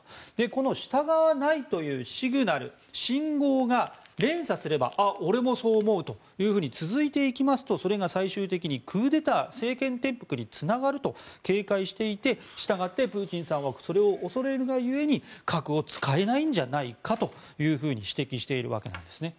この従わないというシグナル、信号が連鎖すれば俺もそう思うと続いていきますとそれが最終的にクーデター政権転覆につながると警戒していてしたがってプーチンさんはそれを恐れるが故に核を使えないんじゃないかと指摘しているわけです。